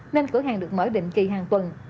nên cửa hàng được mở định kỳ hàng tuần